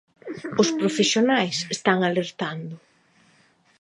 Os profesionais están alertando.